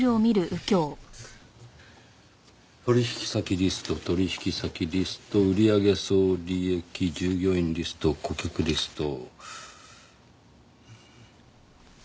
「取引先リスト」「取引先リスト」「売上総利益」「従業員リスト」「顧客リスト」。